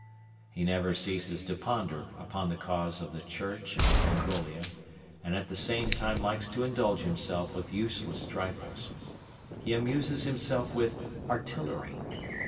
He never ceases to ponder upon the cause of the church and of Mongolia and at the same time likes to indulge himself with useless trifles. He amuses himself with artillery.